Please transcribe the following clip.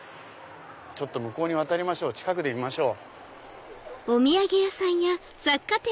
向こうに渡りましょう近くで見ましょう。